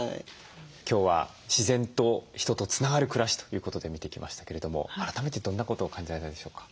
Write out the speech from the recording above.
今日は自然と人とつながる暮らしということで見てきましたけれども改めてどんなことを感じられたでしょうか？